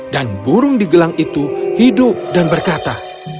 dan burung di gelang itu hidup dan berkata